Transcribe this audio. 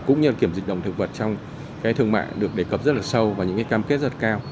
cũng như kiểm dịch động thực vật trong thương mại được đề cập rất là sâu và những cam kết rất cao